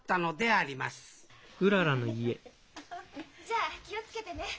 じゃあ気を付けてね。